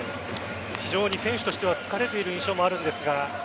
非常に選手としては疲れている印象もあるんですが。